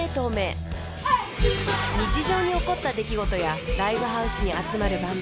［日常に起こった出来事やライブハウスに集まるバンド］